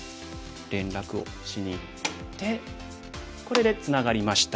連絡をしにいってこれでツナがりました。